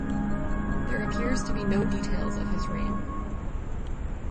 There appears to be no details of his reign.